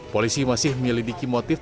polisi masih menyelidiki motif